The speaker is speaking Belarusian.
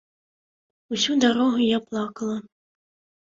Усю дарогу я плакала.